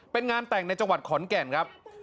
เป็นงานแต่งในจังหวัดขอนแก่นครับ